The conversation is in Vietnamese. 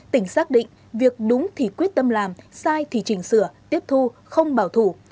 tỉnh xác định việc đúng thì quyết tâm làm sai thì chỉnh sửa tiếp thu không bảo thủ